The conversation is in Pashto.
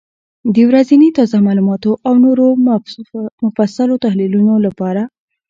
د ورځني تازه معلوماتو او نورو مفصلو تحلیلونو لپاره،